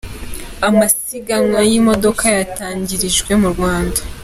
Amasiganwa y’imodoka yatangirijwe mu Rwanda